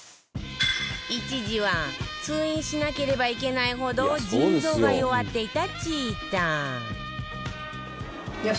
一時は通院しなければいけないほど腎臓が弱っていたちーたん